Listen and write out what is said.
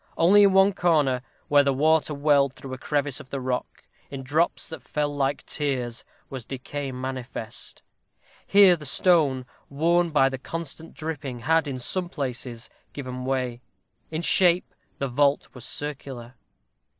Only in one corner, where the water welled through a crevice of the rock, in drops that fell like tears, was decay manifest. Here the stone, worn by the constant dripping, had, in some places, given way. In shape, the vault was circular.